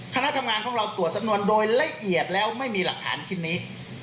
คณะทำงานของเราตรวจสำนวนโดยละเอียดแล้วไม่มีหลักฐานชิ้นนี้